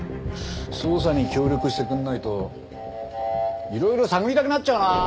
捜査に協力してくれないといろいろ探りたくなっちゃうなあ！